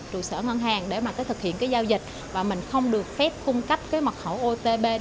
trụ sở ngân hàng để thực hiện giao dịch và mình không được phép cung cấp mật khẩu otp